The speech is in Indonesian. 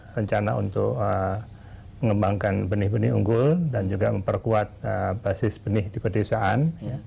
rencana untuk mengembangkan benih benih unggul dan juga memperkuat basis benih di pedesaan